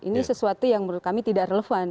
ini sesuatu yang menurut kami tidak relevan